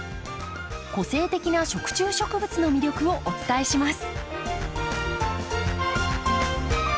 個性的な食虫植物の魅力をお伝えします。